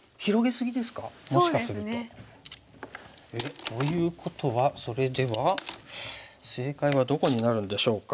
そうですね。ということはそれでは正解はどこになるんでしょうか？